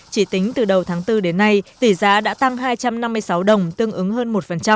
chỉ tính từ đầu tháng bốn đến nay tỷ giá đã tăng hai trăm năm mươi sáu đồng tương ứng hơn một